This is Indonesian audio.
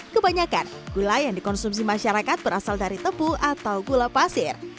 kebanyakan gula yang dikonsumsi masyarakat berasal dari tebu atau gula pasir